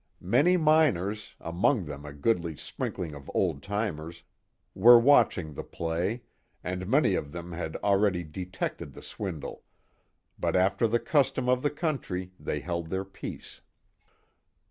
Many miners, among them a goodly sprinkling of old timers, were watching the play, and many of them had already detected the swindle, but after the custom of the country they held their peace.